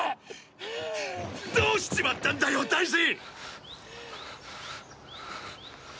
どうしちまったんだよ大二！